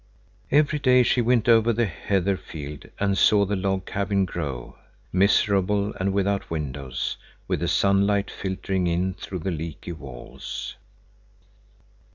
Every day she went over the heather field and saw the log cabin grow, miserable and without windows, with the sunlight filtering in through the leaky walls.